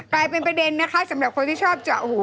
กลายเป็นประเด็นนะคะสำหรับคนที่ชอบเจาะหู